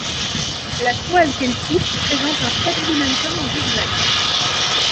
La toile qu'elle tisse présente un stabilimentum en zigzag.